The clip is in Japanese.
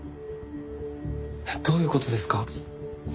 えっどういう事ですか？